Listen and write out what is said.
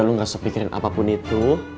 lo gak usah mikirin apapun itu